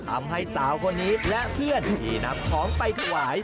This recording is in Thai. ทำให้สาวคนนี้และเพื่อนที่นำของไปถวาย